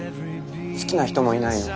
好きな人もいないの？